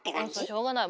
しょうがない。